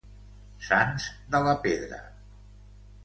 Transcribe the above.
Sants de la pedra.